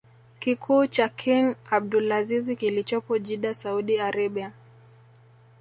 kikuu cha king Abdulazizi kilichopo Jidda Saudi Arabia